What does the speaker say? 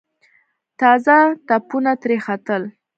تازه تپونه ترې ختل.